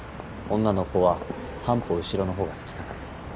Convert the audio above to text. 女の子は半歩後ろの方が好きかな。